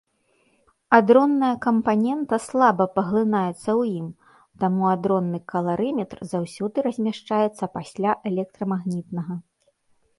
Адронная кампанента слаба паглынаецца ў ім, таму адронны каларыметр заўсёды размяшчаецца пасля электрамагнітнага.